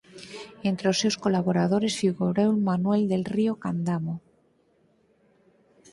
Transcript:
Entre os seus colaboradores figurou Manuel del Río Candamo.